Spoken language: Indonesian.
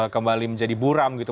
kembali menjadi buram gitu